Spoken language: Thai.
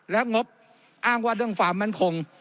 และงบอ้างว่าเรื่องความมั่นคง